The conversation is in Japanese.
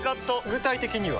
具体的には？